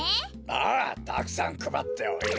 ああたくさんくばっておいで。